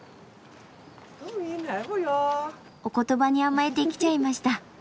お言葉に甘えて来ちゃいました。